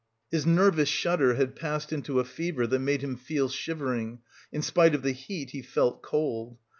His nervous shudder had passed into a fever that made him feel shivering; in spite of the heat he felt cold.